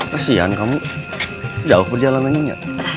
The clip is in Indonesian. kasian kamu jauh perjalanannya